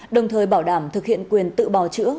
đồng thời bảo đảm thực hiện quyền tự bào chữa